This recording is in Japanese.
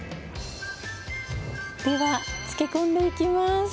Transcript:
では漬け込んでいきます。